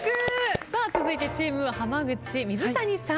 さあ続いてチーム浜口水谷さん。